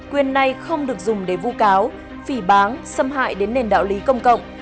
quyền này không được dùng để vu cáo phỉ báng xâm hại đến nền đạo lý công cộng